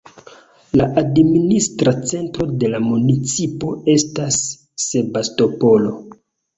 La administra centro de la municipo estas Sebastopolo.